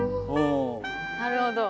なるほど。